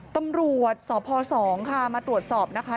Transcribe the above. ตำรวจสพ๒ค่ะมาตรวจสอบนะคะ